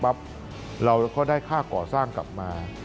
เราก็ได้ค่าก่อสร้างกลับมา